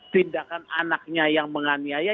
tindakan anaknya yang menganiaya